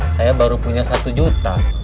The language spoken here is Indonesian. saya baru punya satu juta